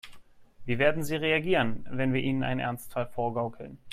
Wie werden sie reagieren, wenn wir ihnen einen Ernstfall vorgaukeln?